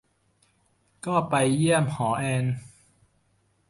ก็ไปเยี่ยมหอเอน